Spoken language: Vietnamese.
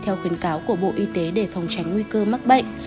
theo khuyến cáo của bộ y tế để phòng tránh nguy cơ mắc bệnh